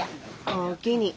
おおきに。